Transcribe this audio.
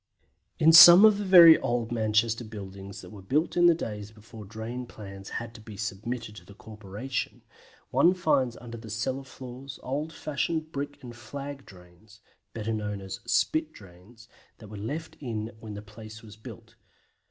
In some of the very old Manchester buildings that were built in the days before drain plans had to be submitted to the corporation, one finds under the cellar floors old fashioned brick and flag drains (better known as "spit" drains), that were left in when the place was built.